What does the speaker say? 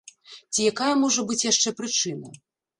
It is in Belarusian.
Ці якая можа быць яшчэ прычына?